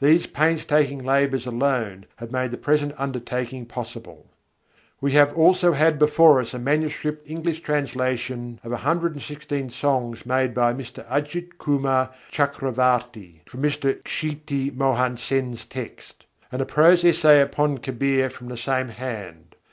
These painstaking labours alone have made the present undertaking possible. We have also had before us a manuscript English translation of 116 songs made by Mr. Ajit Kumâr Chakravarty from Mr. Kshiti Mohan Sen's text, and a prose essay upon Kabîr from the same hand.